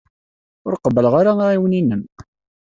Ur qebbleɣ ara aɛiwen-inem.